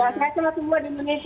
selamat siang semua di indonesia